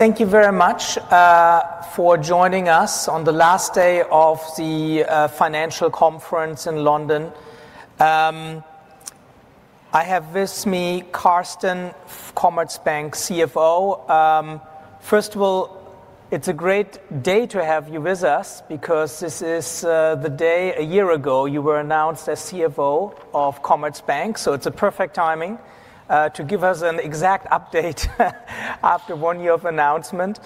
Thank you very much for joining us on the last day of the financial conference in London. I have with me Carsten, Commerzbank CFO. First of all, it's a great day to have you with us because this is the day a year ago you were announced as CFO of Commerzbank. It is perfect timing to give us an exact update after one year of announcement.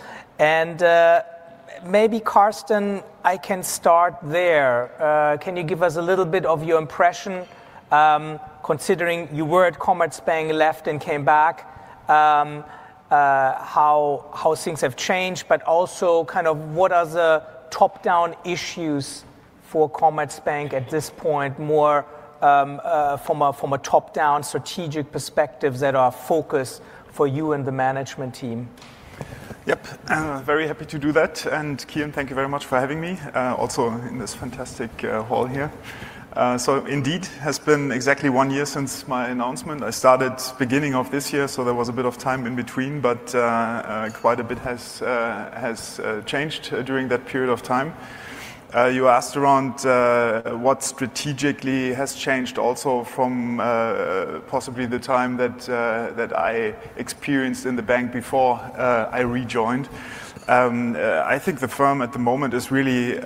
Maybe, Carsten, I can start there. Can you give us a little bit of your impression, considering you were at Commerzbank, left, and came back, how things have changed, but also kind of what are the top-down issues for Commerzbank at this point, more from a top-down strategic perspective that are focused for you and the management team? Yep. Very happy to do that. Kian, thank you very much for having me also in this fantastic hall here. Indeed, it has been exactly one year since my announcement. I started at the beginning of this year, so there was a bit of time in between, but quite a bit has changed during that period of time. You asked around what strategically has changed also from possibly the time that I experienced in the bank before I rejoined. I think the firm at the moment is really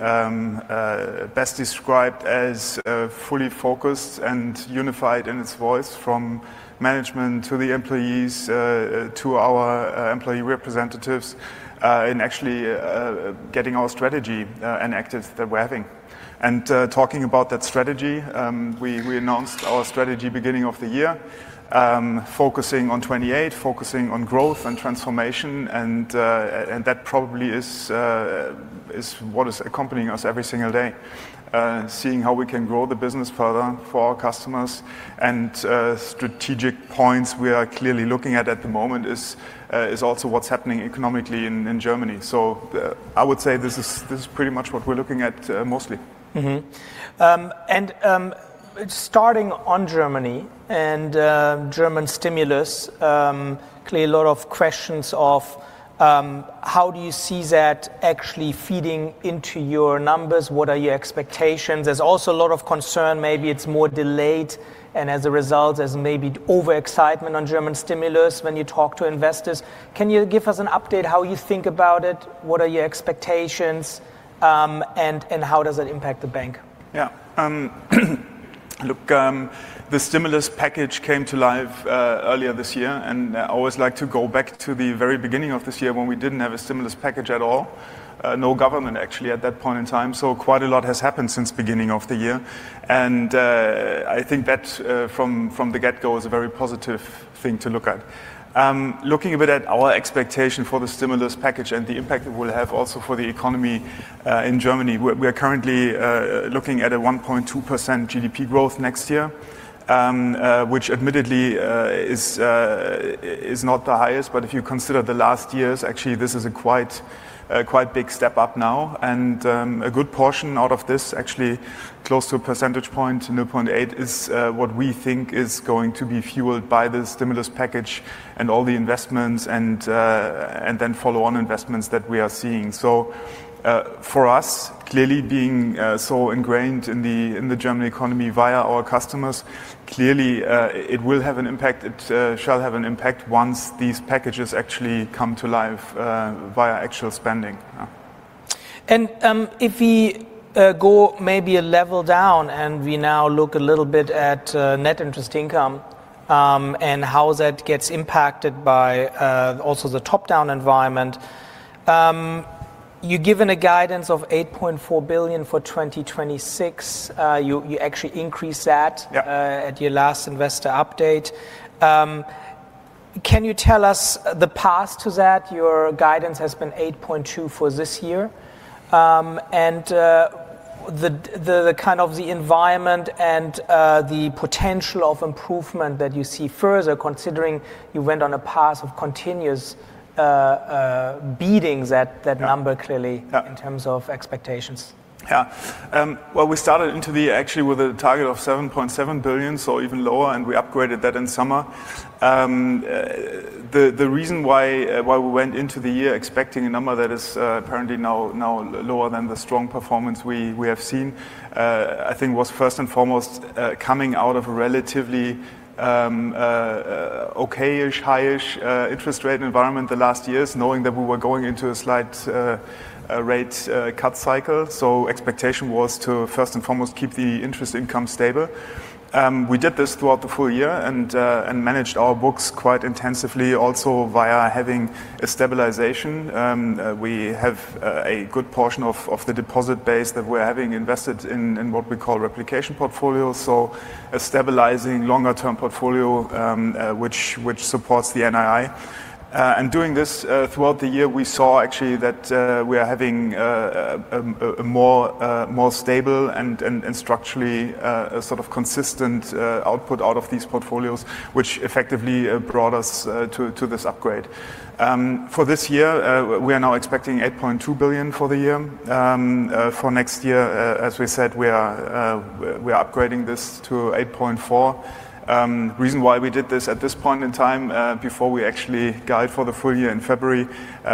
best described as fully focused and unified in its voice, from management to the employees to our employee representatives in actually getting our strategy enacted that we're having. Talking about that strategy, we announced our strategy beginning of the year, focusing on 2028, focusing on growth and transformation. That probably is what is accompanying us every single day, seeing how we can grow the business further for our customers. Strategic points we are clearly looking at at the moment is also what's happening economically in Germany. I would say this is pretty much what we're looking at mostly. Starting on Germany and German stimulus, clearly a lot of questions of how do you see that actually feeding into your numbers what are your expectations? There is also a lot of concern. Maybe it is more delayed. As a result, there is maybe overexcitement on German stimulus when you talk to investors. Can you give us an update how you think about it? What are your expectations? How does it impact the bank? Yeah. Look, the stimulus package came to life earlier this year. I always like to go back to the very beginning of this year when we did not have a stimulus package at all, no government actually at that point in time. Quite a lot has happened since the beginning of the year. I think that from the get-go is a very positive thing to look at. Looking a bit at our expectation for the stimulus package and the impact it will have also for the economy in Germany, we are currently looking at a 1.2% GDP growth next year, which admittedly is not the highest. If you consider the last years, actually, this is a quite big step up now. A good portion out of this, actually close to a percentage point, 0.8%, is what we think is going to be fueled by the stimulus package and all the investments and then follow-on investments that we are seeing. For us, clearly being so ingrained in the German economy via our customers, clearly it will have an impact. It shall have an impact once these packages actually come to life via actual spending. If we go maybe a level down and we now look a little bit at net interest income and how that gets impacted by also the top-down environment, you're given a guidance of 8.4 billion for 2026. You actually increased that at your last investor update. Can you tell us the path to that your guidance has been 8.2 billion for this year? The kind of the environment and the potential of improvement that you see further, considering you went on a path of continuous beating that number clearly in terms of expectations. Yeah. We started into the year actually with a target of 7.7 billion, so even lower, and we upgraded that in summer. The reason why we went into the year expecting a number that is apparently now lower than the strong performance we have seen, I think, was first and foremost coming out of a relatively OK-ish, high-ish interest rate environment the last years, knowing that we were going into a slight rate cut cycle. Expectation was to first and foremost keep the interest income stable. We did this throughout the full year and managed our books quite intensively also via having a stabilization. We have a good portion of the deposit base that we are having invested in what we call replication portfolios, so a stabilizing longer-term portfolio which supports the NII. Doing this throughout the year, we saw actually that we are having a more stable and structurally sort of consistent output out of these portfolios, which effectively brought us to this upgrade. For this year, we are now expecting 8.2 billion for the year. For next year, as we said, we are upgrading this to 8.4 billion. The reason why we did this at this point in time before we actually guide for the full year in February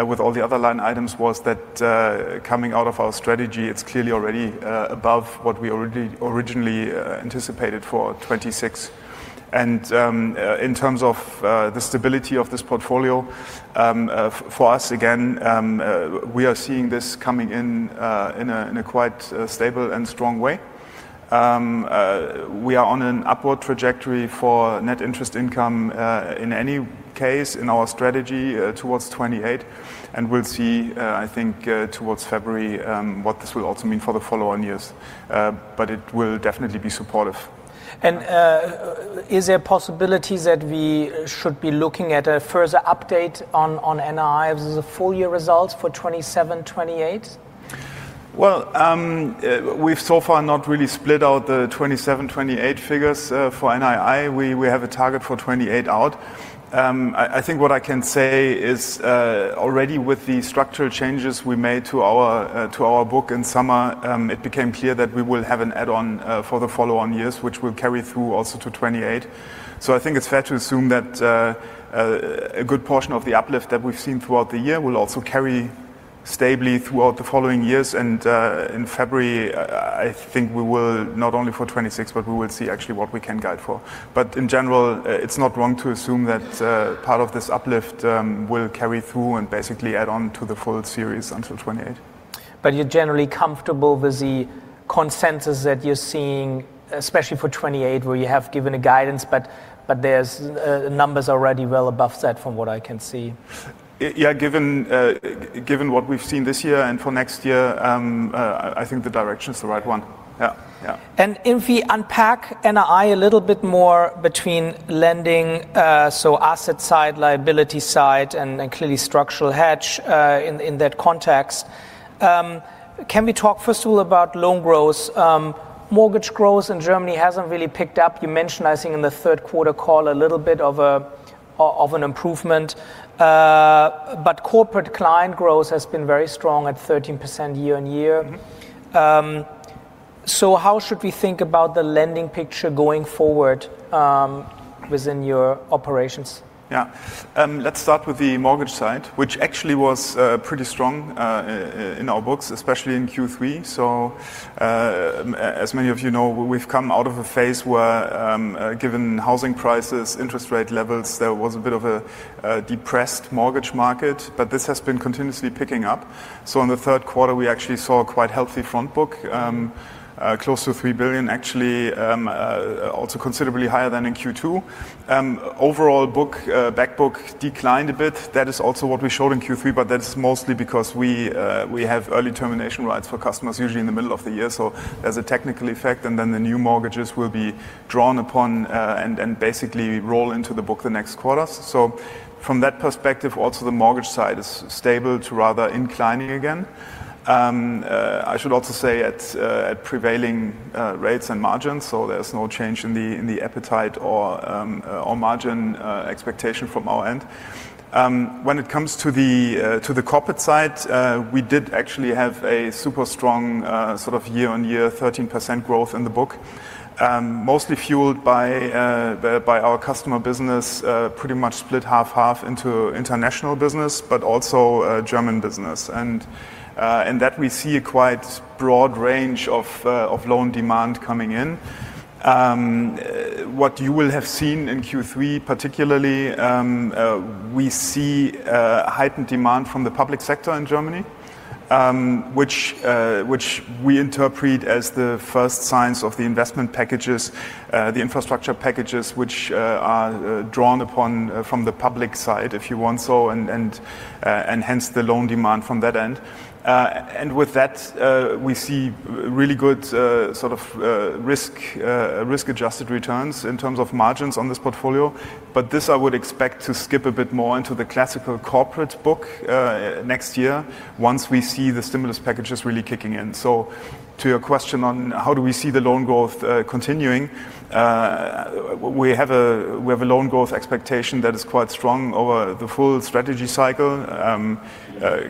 with all the other line items was that coming out of our strategy, it is clearly already above what we originally anticipated for 2026. In terms of the stability of this portfolio, for us, again, we are seeing this coming in in a quite stable and strong way. We are on an upward trajectory for net interest income in any case in our strategy towards 2028. We will see, I think, towards February what this will also mean for the following years. It will definitely be supportive. Is there a possibility that we should be looking at a further update on NII, the full year results for 2027, 2028? We have so far not really split out the 2027, 2028 figures for NII. We have a target for 2028 out. I think what I can say is already with the structural changes we made to our book in summer, it became clear that we will have an add-on for the following years, which will carry through also to 2028. I think it is fair to assume that a good portion of the uplift that we have seen throughout the year will also carry stably throughout the following years. In February, I think we will not only for 2026, but we will see actually what we can guide for. In general, it is not wrong to assume that part of this uplift will carry through and basically add on to the full series until 2028. You're generally comfortable with the consensus that you're seeing, especially for 2028, where you have given a guidance, but there are numbers already well above that from what I can see. Yeah, given what we've seen this year and for next year, I think the direction is the right one. Yeah, yeah. If we unpack NII a little bit more between lending, so asset side, liability side, and clearly structural hedge in that context, can we talk first of all about loan growth? Mortgage growth in Germany has not really picked up. You mentioned, I think, in the third quarter call a little bit of an improvement. Corporate client growth has been very strong at 13% year on year. How should we think about the lending picture going forward within your operations? Yeah. Let's start with the mortgage side, which actually was pretty strong in our books, especially in Q3. As many of you know, we've come out of a phase where, given housing prices, interest rate levels, there was a bit of a depressed mortgage market. This has been continuously picking up. In the third quarter, we actually saw a quite healthy front book, close to 3 billion, actually also considerably higher than in Q2. Overall back book declined a bit. That is also what we showed in Q3, that is mostly because we have early termination rights for customers usually in the middle of the year. There's a technical effect. The new mortgages will be drawn upon and basically roll into the book the next quarter. From that perspective, also the mortgage side is stable to rather inclining again. I should also say at prevailing rates and margins, so there's no change in the appetite or margin expectation from our end. When it comes to the corporate side, we did actually have a super strong sort of year on year 13% growth in the book, mostly fueled by our customer business, pretty much split half-half into international business, but also German business. In that, we see a quite broad range of loan demand coming in. What you will have seen in Q3, particularly, we see heightened demand from the public sector in Germany, which we interpret as the first signs of the investment packages, the infrastructure packages, which are drawn upon from the public side, if you want so, and hence the loan demand from that end. With that, we see really good sort of risk-adjusted returns in terms of margins on this portfolio. I would expect this to skip a bit more into the classical corporate book next year once we see the stimulus packages really kicking in. To your question on how do we see the loan growth continuing, we have a loan growth expectation that is quite strong over the full strategy cycle.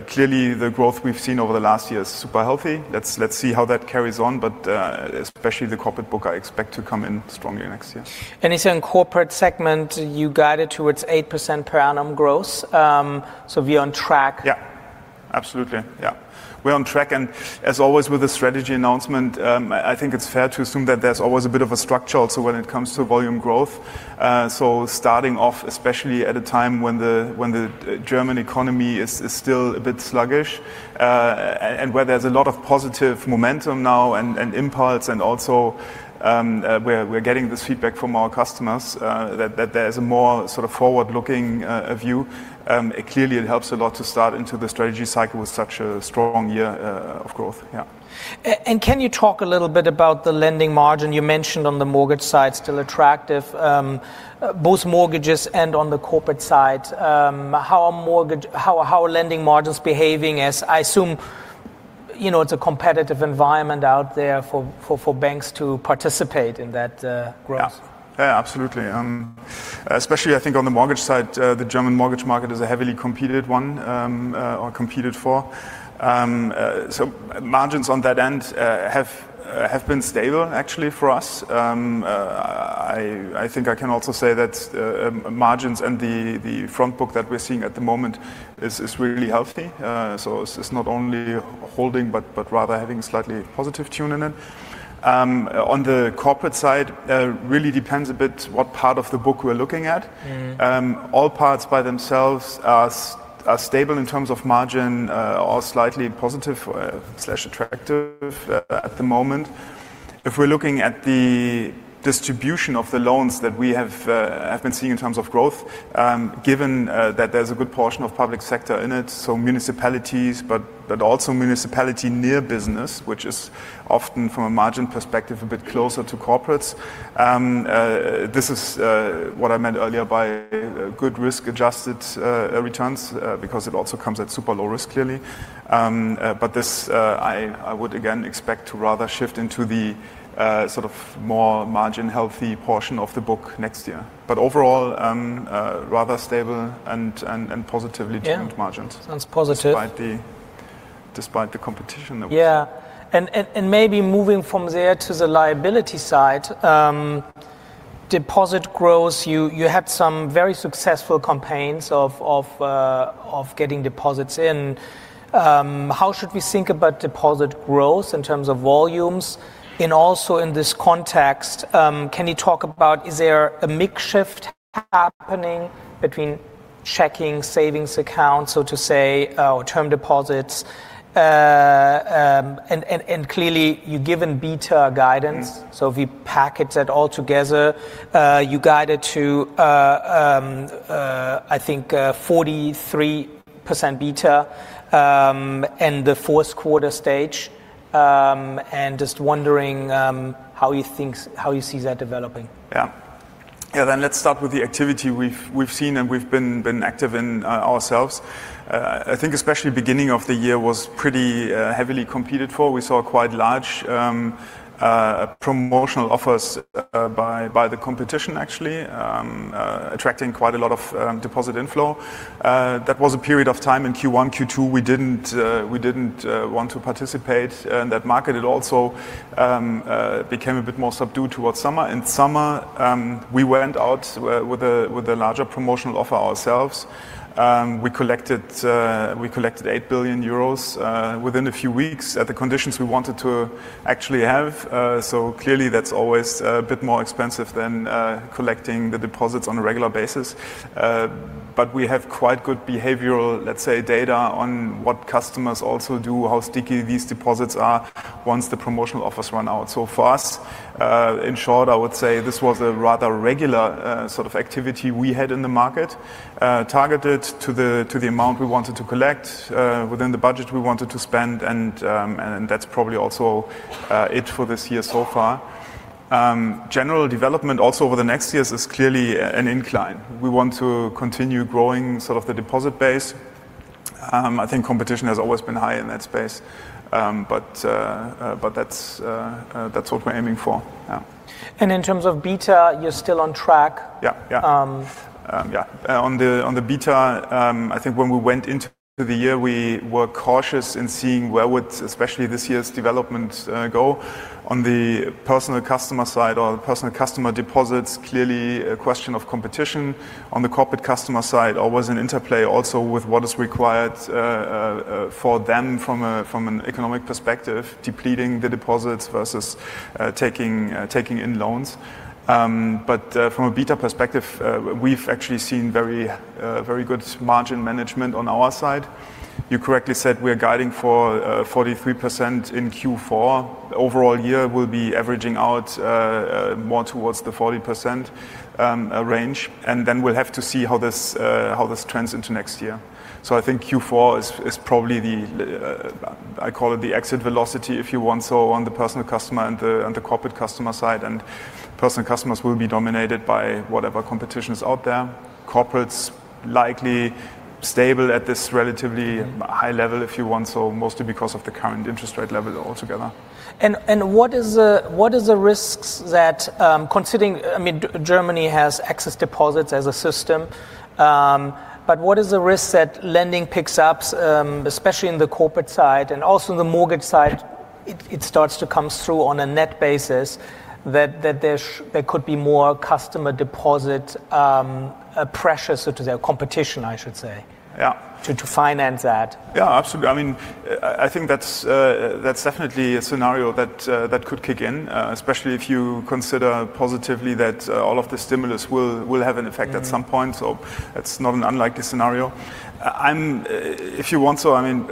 Clearly, the growth we've seen over the last year is super healthy. Let's see how that carries on, but especially the corporate book I expect to come in strongly next year. In the corporate segment, you guided towards 8% per annum growth. We are on track? Yeah, absolutely. Yeah, we're on track. As always with the strategy announcement, I think it's fair to assume that there's always a bit of a structure also when it comes to volume growth. Starting off, especially at a time when the German economy is still a bit sluggish and where there's a lot of positive momentum now and impulse and also where we're getting this feedback from our customers that there is a more sort of forward-looking view, clearly it helps a lot to start into the strategy cycle with such a strong year of growth. Yeah. Can you talk a little bit about the lending margin you mentioned on the mortgage side still attractive, both mortgages and on the corporate side? How are lending margins behaving as I assume it's a competitive environment out there for banks to participate in that growth? Yeah, absolutely. Especially I think on the mortgage side, the German mortgage market is a heavily competed one or competed for. Margins on that end have been stable actually for us. I think I can also say that margins in the front book that we're seeing at the moment is really healthy. It is not only holding, but rather having a slightly positive tune in it. On the corporate side, it really depends a bit what part of the book we're looking at. All parts by themselves are stable in terms of margin or slightly positive/attractive at the moment. If we're looking at the distribution of the loans that we have been seeing in terms of growth, given that there is a good portion of public sector in it, so municipalities, but also municipality near business, which is often from a margin perspective a bit closer to corporates. This is what I meant earlier by good risk-adjusted returns because it also comes at super low risk, clearly. This I would again expect to rather shift into the sort of more margin-healthy portion of the book next year. Overall, rather stable and positively tuned margins. Sounds positive. Despite the competition. Yeah. Maybe moving from there to the liability side, deposit growth, you had some very successful campaigns of getting deposits in. How should we think about deposit growth in terms of volumes? Also in this context, can you talk about is there a makeshift happening between checking, savings accounts, so to say, or term deposits? Clearly, you've given beta guidance. If we package that all together, you guided to, I think, 43% beta in the fourth quarter stage. Just wondering how you think how you see that developing. Yeah. Yeah, then let's start with the activity we've seen and we've been active in ourselves. I think especially beginning of the year was pretty heavily competed for. We saw quite large promotional offers by the competition actually attracting quite a lot of deposit inflow. That was a period of time in Q1, Q2 we didn't want to participate in that market. It also became a bit more subdued towards summer. In summer, we went out with a larger promotional offer ourselves. We collected 8 billion euros within a few weeks at the conditions we wanted to actually have. Clearly, that's always a bit more expensive than collecting the deposits on a regular basis. We have quite good behavioral, let's say, data on what customers also do, how sticky these deposits are once the promotional offers run out. For us, in short, I would say this was a rather regular sort of activity we had in the market targeted to the amount we wanted to collect within the budget we wanted to spend. That is probably also it for this year so far. General development also over the next years is clearly an incline. We want to continue growing sort of the deposit base. I think competition has always been high in that space. That is what we are aiming for. In terms of beta, you're still on track? Yeah, yeah. Yeah, on the beta, I think when we went into the year, we were cautious in seeing where would especially this year's development go on the personal customer side or personal customer deposits. Clearly, a question of competition on the corporate customer side, always an interplay also with what is required for them from an economic perspective, depleting the deposits versus taking in loans. From a beta perspective, we've actually seen very good margin management on our side. You correctly said we are guiding for 43% in Q4. Overall year will be averaging out more towards the 40% range. We will have to see how this trends into next year. I think Q4 is probably the, I call it the exit velocity, if you want so, on the personal customer and the corporate customer side. Personal customers will be dominated by whatever competition is out there. Corporates likely stable at this relatively high level, if you want so, mostly because of the current interest rate level altogether. What is the risk that, considering, I mean, Germany has excess deposits as a system, but what is the risk that lending picks up, especially in the corporate side and also in the mortgage side? It starts to come through on a net basis that there could be more customer deposit pressure, so to say, or competition, I should say, to finance that. Yeah, absolutely. I mean, I think that's definitely a scenario that could kick in, especially if you consider positively that all of the stimulus will have an effect at some point. That's not an unlikely scenario. If you want, I mean,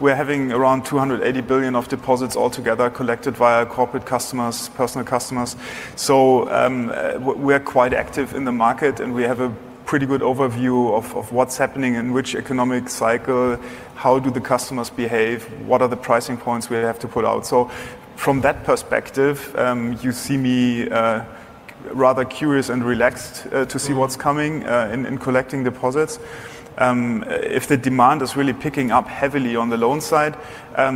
we're having around 280 billion of deposits altogether collected via corporate customers, personal customers. We're quite active in the market and we have a pretty good overview of what's happening in which economic cycle, how the customers behave, what are the pricing points we have to put out. From that perspective, you see me rather curious and relaxed to see what's coming in collecting deposits. If the demand is really picking up heavily on the loan side,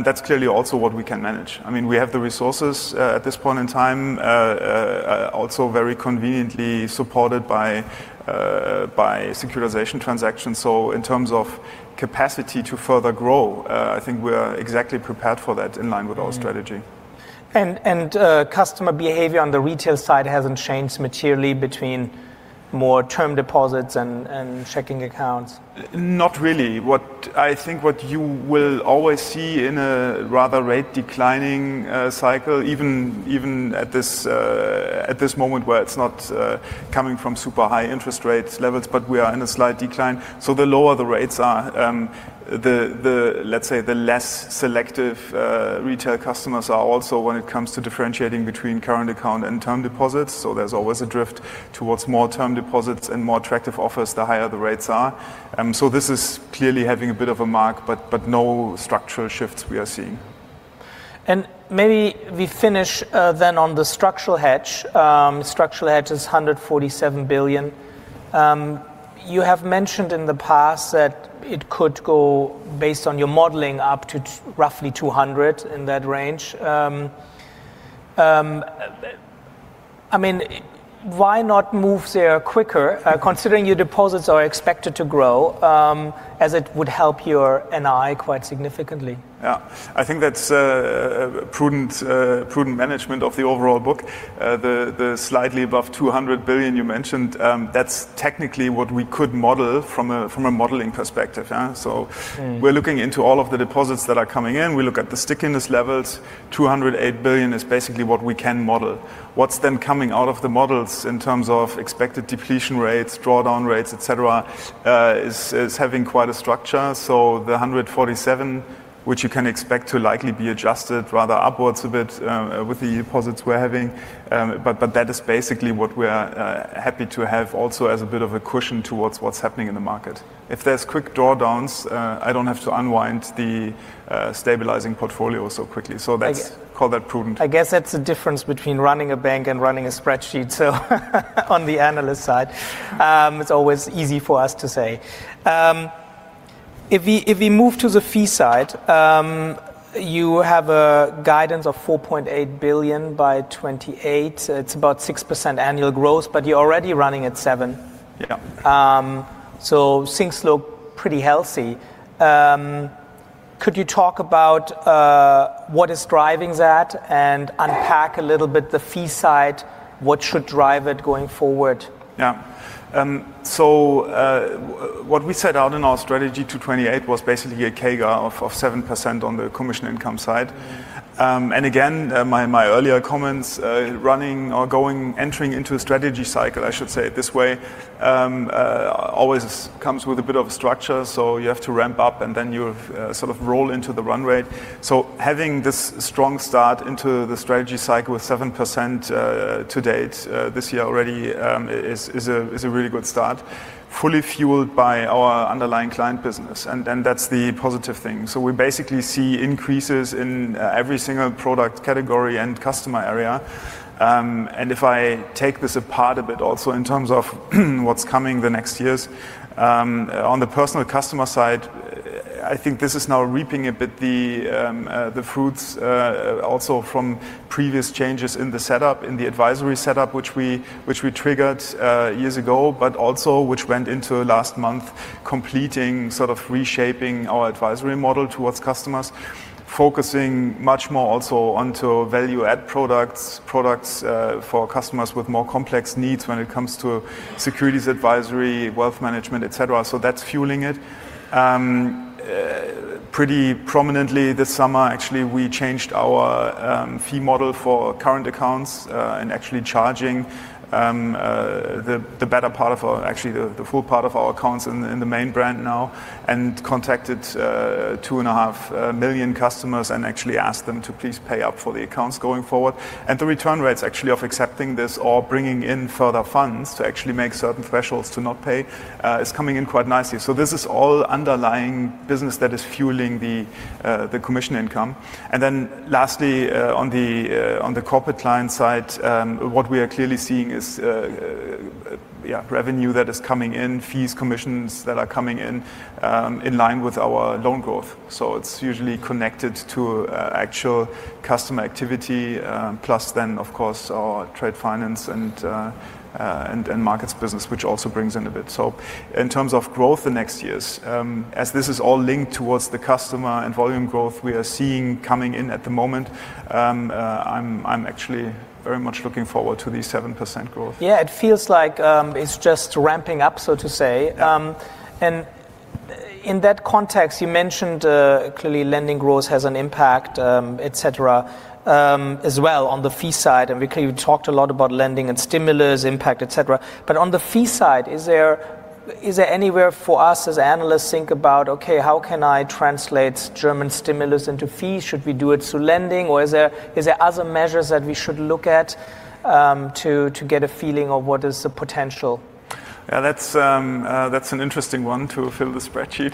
that's clearly also what we can manage. I mean, we have the resources at this point in time, also very conveniently supported by securitization transactions. In terms of capacity to further grow, I think we're exactly prepared for that in line with our strategy. Customer behavior on the retail side hasn't changed materially between more term deposits and checking accounts? Not really. I think what you will always see in a rather rate declining cycle, even at this moment where it is not coming from super high interest rate levels, but we are in a slight decline. The lower the rates are, let's say the less selective retail customers are also when it comes to differentiating between current account and term deposits. There is always a drift towards more term deposits and more attractive offers the higher the rates are. This is clearly having a bit of a mark, but no structural shifts we are seeing. Maybe we finish then on the structural hedge. Structural hedge is 147 billion. You have mentioned in the past that it could go, based on your modeling, up to roughly 200 billion in that range. I mean, why not move there quicker considering your deposits are expected to grow as it would help your NII quite significantly? Yeah, I think that's a prudent management of the overall book. The slightly above 200 billion you mentioned, that's technically what we could model from a modeling perspective. We are looking into all of the deposits that are coming in. We look at the stickiness levels. 208 billion is basically what we can model. What's then coming out of the models in terms of expected depletion rates, drawdown rates, et cetera, is having quite a structure. The 147 billion, which you can expect to likely be adjusted rather upwards a bit with the deposits we are having. That is basically what we are happy to have also as a bit of a cushion towards what's happening in the market. If there are quick drawdowns, I don't have to unwind the stabilizing portfolio so quickly. Call that prudent. I guess that's the difference between running a bank and running a spreadsheet. On the analyst side, it's always easy for us to say. If we move to the fee side, you have a guidance of 4.8 billion by 2028. It's about 6% annual growth, but you're already running at 7%. Yeah. Things look pretty healthy. Could you talk about what is driving that and unpack a little bit the fee side, what should drive it going forward? Yeah. What we set out in our strategy to 2028 was basically a CAGR of 7% on the commission income side. Again, my earlier comments, running or going, entering into a strategy cycle, I should say it this way, always comes with a bit of a structure. You have to ramp up and then you sort of roll into the run rate. Having this strong start into the strategy cycle with 7% to date this year already is a really good start, fully fueled by our underlying client business. That is the positive thing. We basically see increases in every single product category and customer area. If I take this apart a bit also in terms of what's coming the next years, on the personal customer side, I think this is now reaping a bit the fruits also from previous changes in the setup, in the advisory setup, which we triggered years ago, but also which went into last month completing sort of reshaping our advisory model towards customers, focusing much more also onto value-add products, products for customers with more complex needs when it comes to securities advisory, wealth management, et cetera. That's fueling it. Pretty prominently this summer, actually, we changed our fee model for current accounts and actually charging the better part of our, actually the full part of our accounts in the main brand now and contacted two and a half million customers and actually asked them to please pay up for the accounts going forward. The return rates actually of accepting this or bringing in further funds to actually make certain thresholds to not pay is coming in quite nicely. This is all underlying business that is fueling the commission income. Lastly, on the corporate client side, what we are clearly seeing is revenue that is coming in, fees, commissions that are coming in in line with our loan growth. It is usually connected to actual customer activity, plus then of course our trade finance and markets business, which also brings in a bit. In terms of growth in next years, as this is all linked towards the customer and volume growth we are seeing coming in at the moment, I am actually very much looking forward to the 7% growth. Yeah, it feels like it's just ramping up, so to say. In that context, you mentioned clearly lending growth has an impact, et cetera, as well on the fee side. We clearly talked a lot about lending and stimulus impact, et cetera. On the fee side, is there anywhere for us as analysts to think about, okay, how can I translate German stimulus into fees? Should we do it through lending? Or are there other measures that we should look at to get a feeling of what is the potential? Yeah, that's an interesting one to fill the spreadsheet.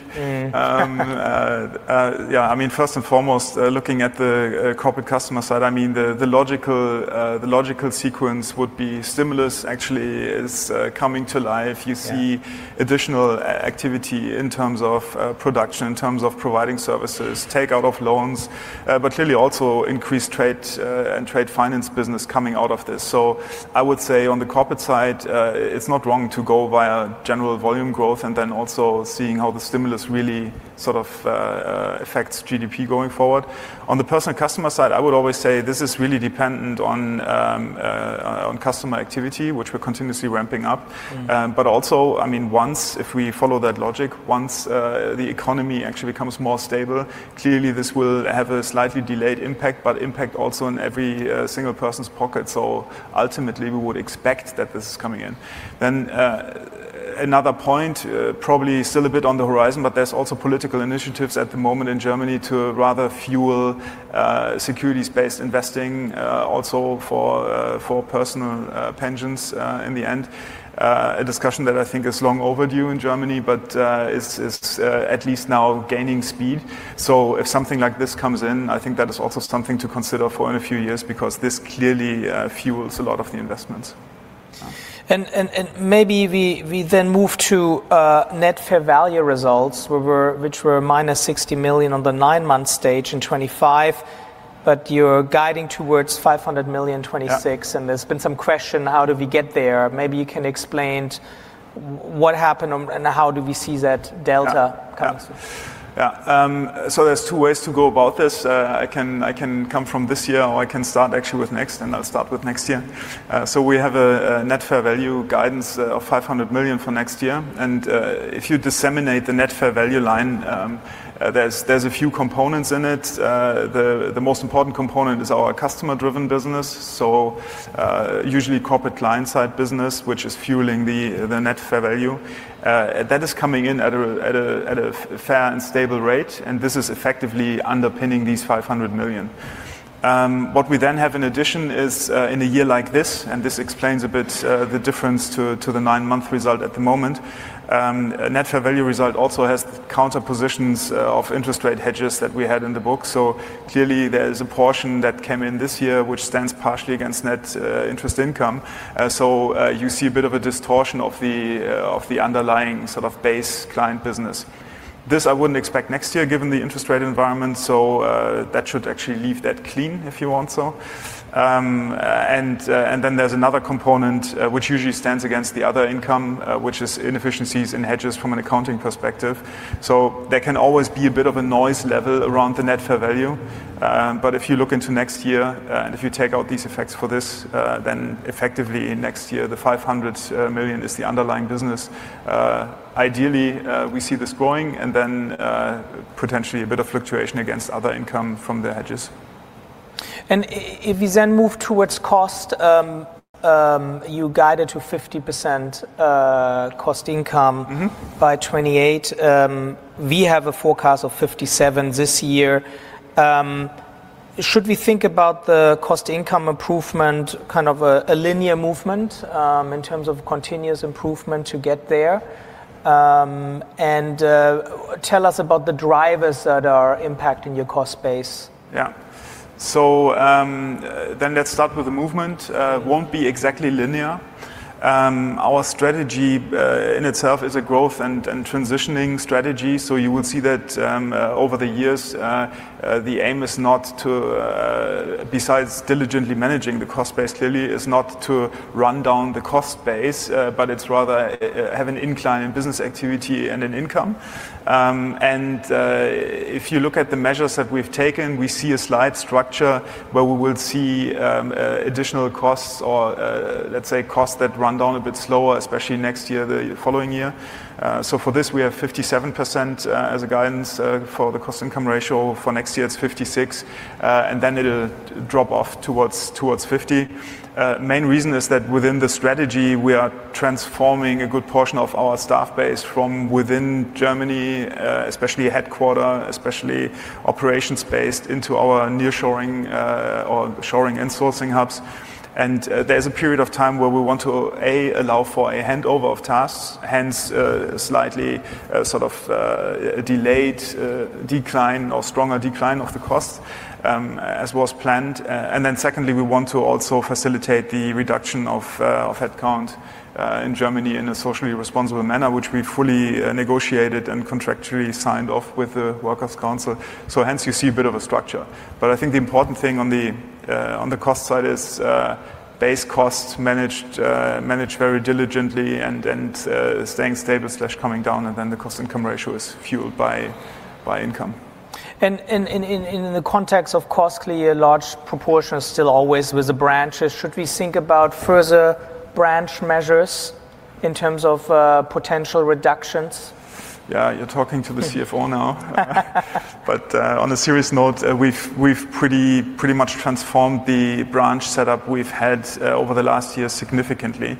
Yeah, I mean, first and foremost, looking at the corporate customer side, I mean, the logical sequence would be stimulus actually is coming to life. You see additional activity in terms of production, in terms of providing services, take out of loans, but clearly also increased trade and trade finance business coming out of this. I would say on the corporate side, it's not wrong to go via general volume growth and then also seeing how the stimulus really sort of affects GDP going forward. On the personal customer side, I would always say this is really dependent on customer activity, which we're continuously ramping up. Also, I mean, once if we follow that logic, once the economy actually becomes more stable, clearly this will have a slightly delayed impact, but impact also in every single person's pocket. Ultimately, we would expect that this is coming in. Another point, probably still a bit on the horizon, but there are also political initiatives at the moment in Germany to rather fuel securities-based investing also for personal pensions in the end. A discussion that I think is long overdue in Germany, but is at least now gaining speed. If something like this comes in, I think that is also something to consider for in a few years because this clearly fuels a lot of the investments. Maybe we then move to net fair value results, which were minus 60 million on the nine-month stage in 2025, but you're guiding towards 500 million in 2026. There's been some question, how do we get there? Maybe you can explain what happened and how do we see that delta coming through? Yeah. There are two ways to go about this. I can come from this year or I can start actually with next, and I'll start with next year. We have a net fair value guidance of 500 million for next year. If you disseminate the net fair value line, there are a few components in it. The most important component is our customer-driven business, so usually corporate client-side business, which is fueling the net fair value. That is coming in at a fair and stable rate. This is effectively underpinning these 500 million. What we then have in addition is in a year like this, and this explains a bit the difference to the nine-month result at the moment, net fair value result also has counterpositions of interest rate hedges that we had in the book. Clearly there is a portion that came in this year, which stands partially against net interest income. You see a bit of a distortion of the underlying sort of base client business. This I would not expect next year given the interest rate environment. That should actually leave that clean if you want so. There is another component, which usually stands against the other income, which is inefficiencies in hedges from an accounting perspective. There can always be a bit of a noise level around the net fair value. If you look into next year and if you take out these effects for this, then effectively next year the 500 million is the underlying business. Ideally, we see this growing and then potentially a bit of fluctuation against other income from the hedges. If we then move towards cost, you guided to 50% cost income by 2028. We have a forecast of 57% this year. Should we think about the cost income improvement, kind of a linear movement in terms of continuous improvement to get there? Tell us about the drivers that are impacting your cost base. Yeah. So let's start with the movement. It won't be exactly linear. Our strategy in itself is a growth and transitioning strategy. You will see that over the years, the aim is not to, besides diligently managing the cost base, clearly is not to run down the cost base, but it's rather have an incline in business activity and in income. If you look at the measures that we've taken, we see a slight structure where we will see additional costs or let's say costs that run down a bit slower, especially next year, the following year. For this, we have 57% as a guidance for the cost income ratio. For next year, it's 56%. Then it'll drop off towards 50%. Main reason is that within the strategy, we are transforming a good portion of our staff base from within Germany, especially headquarter, especially operations-based into our nearshoring or shoring and sourcing hubs. There is a period of time where we want to allow for a handover of tasks, hence slightly sort of delayed decline or stronger decline of the costs as was planned. Secondly, we want to also facilitate the reduction of headcount in Germany in a socially responsible manner, which we fully negotiated and contractually signed off with the Workers' Council. You see a bit of a structure. I think the important thing on the cost side is base costs managed very diligently and staying stable/coming down. The cost income ratio is fueled by income. In the context of cost, clearly a large proportion is still always with the branches. Should we think about further branch measures in terms of potential reductions? Yeah, you're talking to the CFO now. On a serious note, we've pretty much transformed the branch setup we've had over the last year significantly.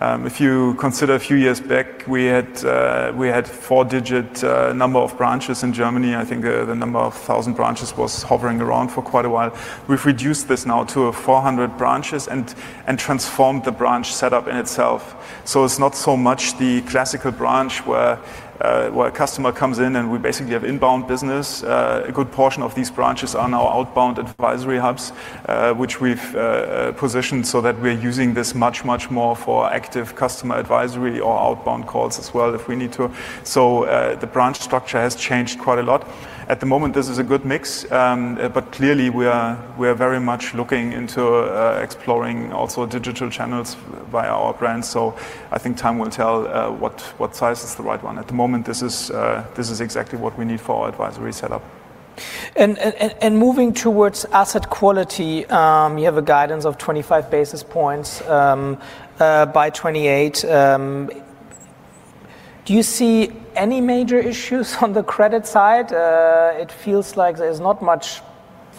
If you consider a few years back, we had a four-digit number of branches in Germany. I think the number of 1,000 branches was hovering around for quite a while. We've reduced this now to 400 branches and transformed the branch setup in itself. It is not so much the classical branch where a customer comes in and we basically have inbound business. A good portion of these branches are now outbound advisory hubs, which we've positioned so that we're using this much, much more for active customer advisory or outbound calls as well if we need to. The branch structure has changed quite a lot. At the moment, this is a good mix. We are very much looking into exploring also digital channels via our brand. I think time will tell what size is the right one. At the moment, this is exactly what we need for our advisory setup. Moving towards asset quality, you have a guidance of 25 basis points by 2028. Do you see any major issues on the credit side? It feels like there's not much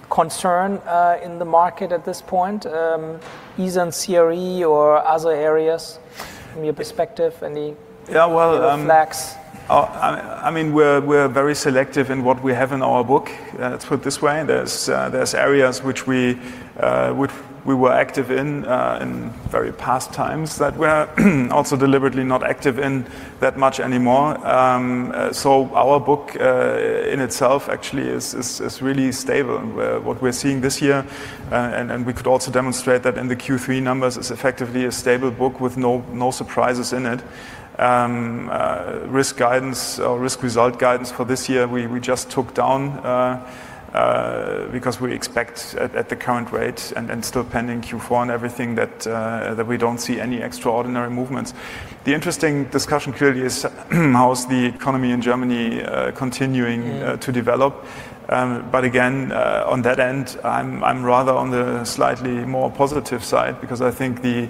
concern in the market at this point, either in CRE or other areas from your perspective, any red flags? Yeah, I mean, we're very selective in what we have in our book. Let's put it this way. There are areas which we were active in in very past times that we're also deliberately not active in that much anymore. Our book in itself actually is really stable. What we're seeing this year, and we could also demonstrate that in the Q3 numbers, is effectively a stable book with no surprises in it. Risk guidance or risk result guidance for this year, we just took down because we expect at the current rate and then still pending Q4 and everything that we don't see any extraordinary movements. The interesting discussion clearly is how is the economy in Germany continuing to develop. Again, on that end, I'm rather on the slightly more positive side because I think the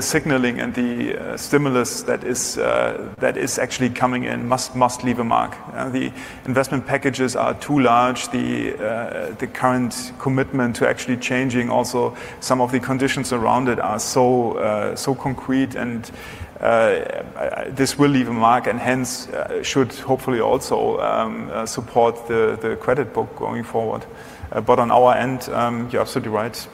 signaling and the stimulus that is actually coming in must leave a mark. The investment packages are too large. The current commitment to actually changing also some of the conditions around it are so concrete. This will leave a mark and hence should hopefully also support the credit book going forward. On our end, you're absolutely right.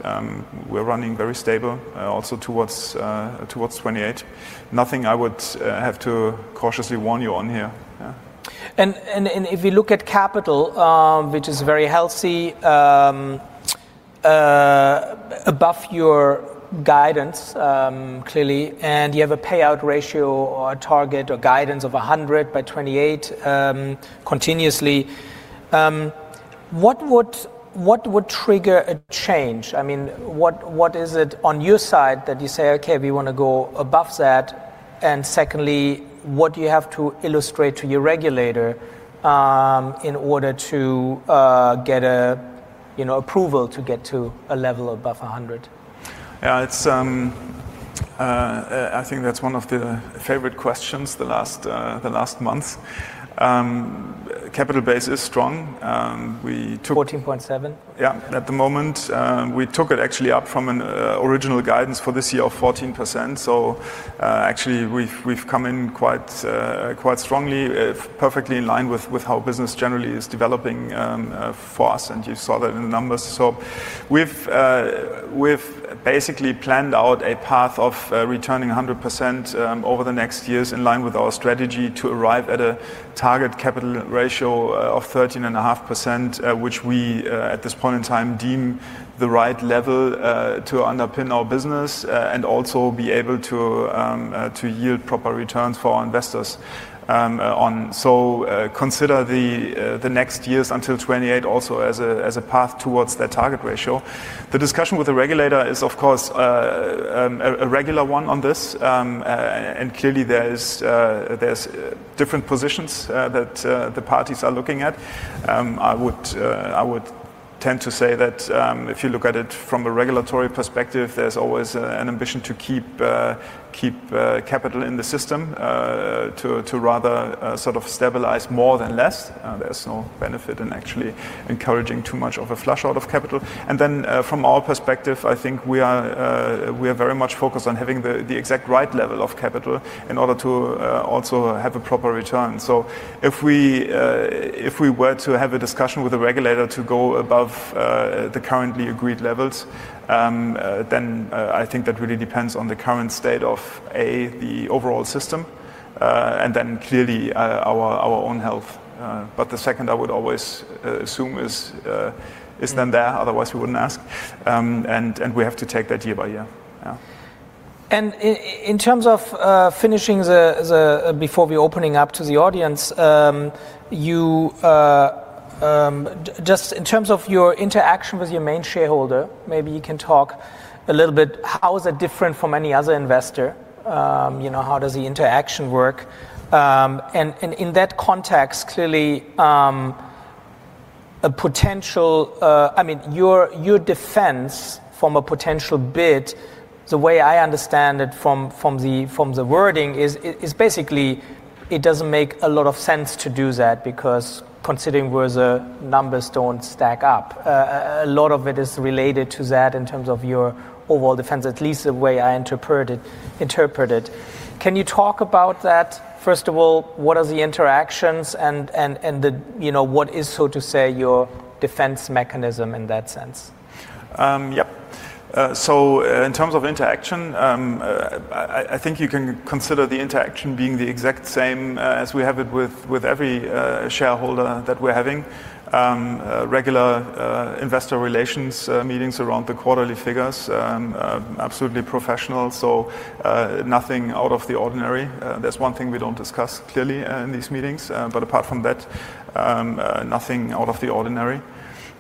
We're running very stable also towards 2028. Nothing I would have to cautiously warn you on here. If we look at capital, which is very healthy above your guidance clearly, and you have a payout ratio or a target or guidance of 100 by 2028 continuously, what would trigger a change? I mean, what is it on your side that you say, okay, we want to go above that? Secondly, what do you have to illustrate to your regulator in order to get approval to get to a level above 100? Yeah, I think that's one of the favorite questions the last month. Capital base is strong. We took. 14.7%. Yeah, at the moment. We took it actually up from an original guidance for this year of 14%. Actually, we've come in quite strongly, perfectly in line with how business generally is developing for us. You saw that in the numbers. We've basically planned out a path of returning 100% over the next years in line with our strategy to arrive at a target capital ratio of 13.5%, which we at this point in time deem the right level to underpin our business and also be able to yield proper returns for our investors. Consider the next years until 2028 also as a path towards that target ratio. The discussion with the regulator is, of course, a regular one on this. Clearly, there's different positions that the parties are looking at. I would tend to say that if you look at it from a regulatory perspective, there is always an ambition to keep capital in the system to rather sort of stabilize more than less. There is no benefit in actually encouraging too much of a flush out of capital. From our perspective, I think we are very much focused on having the exact right level of capital in order to also have a proper return. If we were to have a discussion with the regulator to go above the currently agreed levels, I think that really depends on the current state of, A, the overall system, and clearly our own health. The second I would always assume is then there. Otherwise, we would not ask. We have to take that year by year. In terms of finishing before we open up to the audience, just in terms of your interaction with your main shareholder, maybe you can talk a little bit, how is it different from any other investor? How does the interaction work? In that context, clearly, a potential, I mean, your defense from a potential bid, the way I understand it from the wording is basically it does not make a lot of sense to do that because considering where the numbers do not stack up, a lot of it is related to that in terms of your overall defense, at least the way I interpret it. Can you talk about that? First of all, what are the interactions and what is, so to say, your defense mechanism in that sense? Yep. In terms of interaction, I think you can consider the interaction being the exact same as we have it with every shareholder that we're having. Regular investor relations meetings around the quarterly figures, absolutely professional. Nothing out of the ordinary. There's one thing we don't discuss clearly in these meetings. Apart from that, nothing out of the ordinary.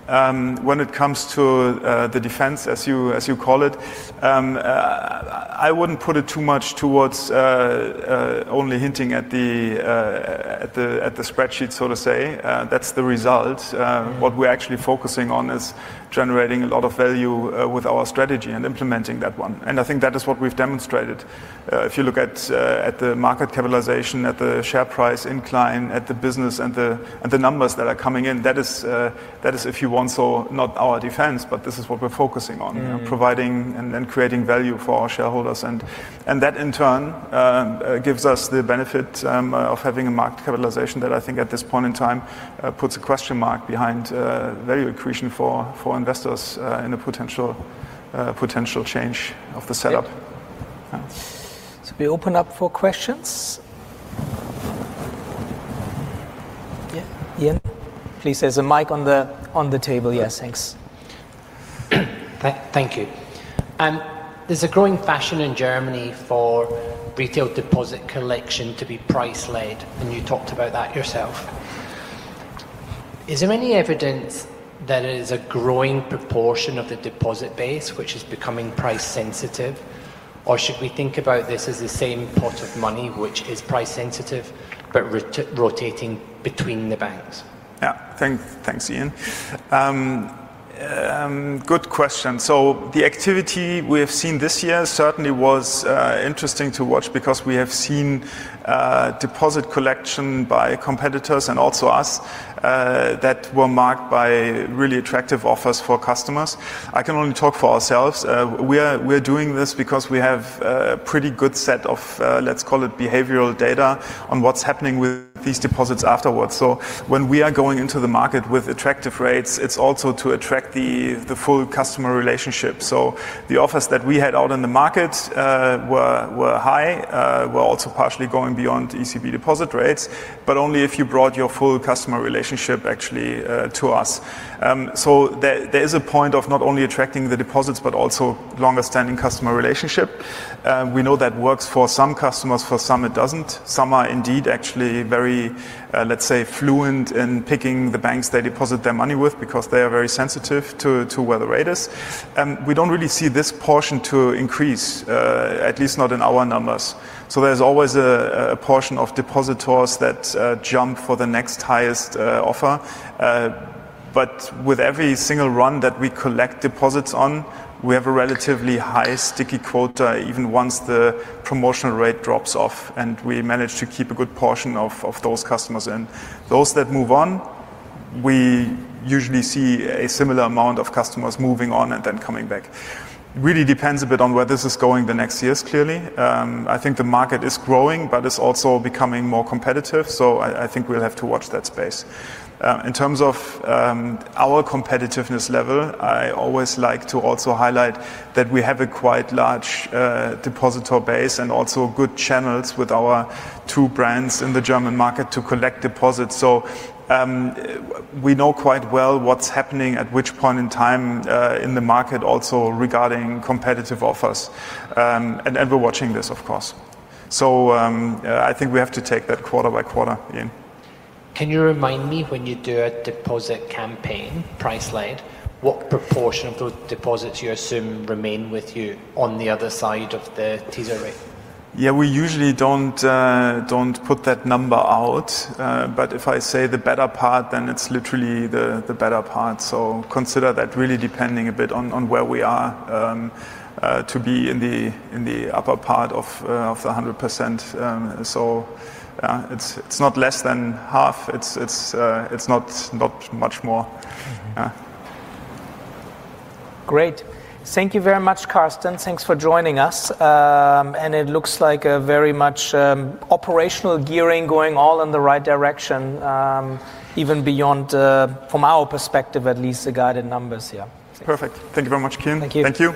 When it comes to the defense, as you call it, I wouldn't put it too much towards only hinting at the spreadsheet, so to say. That's the result. What we're actually focusing on is generating a lot of value with our strategy and implementing that one. I think that is what we've demonstrated. If you look at the market capitalization, at the share price incline, at the business and the numbers that are coming in, that is, if you want, not our defense, but this is what we're focusing on, providing and then creating value for our shareholders. That in turn gives us the benefit of having a market capitalization that I think at this point in time puts a question mark behind value accretion for investors in a potential change of the setup. We open up for questions. Yeah, Ian, please. There's a mic on the table. Yes, thanks. Thank you. There is a growing fashion in Germany for retail deposit collection to be price-led. You talked about that yourself. Is there any evidence that it is a growing proportion of the deposit base which is becoming price-sensitive, or should we think about this as the same pot of money which is price-sensitive but rotating between the banks? Yeah, thanks, Ian. Good question. The activity we have seen this year certainly was interesting to watch because we have seen deposit collection by competitors and also us that were marked by really attractive offers for customers. I can only talk for ourselves. We are doing this because we have a pretty good set of, let's call it, behavioral data on what's happening with these deposits afterwards. When we are going into the market with attractive rates, it's also to attract the full customer relationship. The offers that we had out in the market were high, were also partially going beyond ECB deposit rates, but only if you brought your full customer relationship actually to us. There is a point of not only attracting the deposits, but also longer-standing customer relationship. We know that works for some customers. For some, it doesn't. Some are indeed actually very, let's say, fluent in picking the banks they deposit their money with because they are very sensitive to where the rate is. We don't really see this portion increase, at least not in our numbers. There is always a portion of depositors that jump for the next highest offer. With every single run that we collect deposits on, we have a relatively high sticky quota even once the promotional rate drops off. We manage to keep a good portion of those customers. Those that move on, we usually see a similar amount of customers moving on and then coming back. It really depends a bit on where this is going the next years, clearly. I think the market is growing, but it is also becoming more competitive. I think we'll have to watch that space. In terms of our competitiveness level, I always like to also highlight that we have a quite large depositor base and also good channels with our two brands in the German market to collect deposits. We know quite well what's happening at which point in time in the market also regarding competitive offers. We're watching this, of course. I think we have to take that quarter by quarter, Ian. Can you remind me when you do a deposit campaign price-led, what proportion of those deposits you assume remain with you on the other side of the [teaser] rate? Yeah, we usually don't put that number out. If I say the better part, then it's literally the better part. Consider that really depending a bit on where we are to be in the upper part of the 100%. It's not less than half. It's not much more. Great. Thank you very much, Carsten. Thanks for joining us. It looks like a very much operational gearing going all in the right direction, even beyond, from our perspective at least, the guided numbers here. Perfect. Thank you very much, Ian. Thank you. Thank you.